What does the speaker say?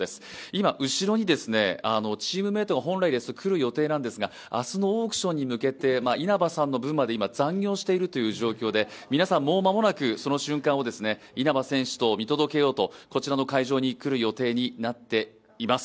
今、後ろにチームメートが本来ですと来る予定なんですが、明日のオークションに向けて稲葉さんの分まで今残業しているという状況で、皆さん、もう間もなくその瞬間を稲葉選手とともに見届けようとこの会場に来る予定となっています。